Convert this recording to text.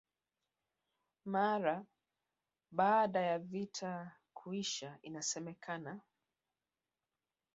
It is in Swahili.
Mara baada ya vita kuisha inasemekana